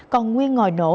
còn nguyên ngòi nổ